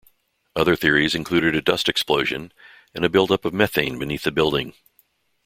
Other theories included a dust explosion and a build-up of methane beneath the building.